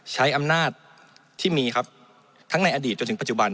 ใช้อำนาจที่มีครับทั้งในอดีตจนถึงปัจจุบัน